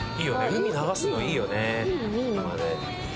海流すのいいよね。